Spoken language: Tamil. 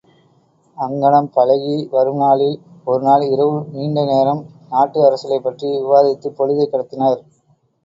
அங்ஙனம் பழகி வரும் நாளில் ஒரு நாள் இரவு நீண்ட நோம் நாட்டு அரசியலைப்பற்றி விவாதித்துப்பொழுதைக் கடத்தினர்.